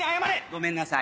ごめんなさい。